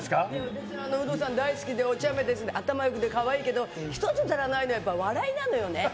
私は有働さん大好きで、おちゃめで、頭よくて、かわいいけど、一つ足らないのはやっぱり笑いなのよね。